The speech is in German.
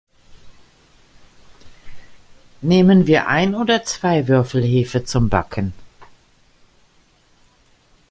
Nehmen wir ein oder zwei Würfel Hefe zum Backen?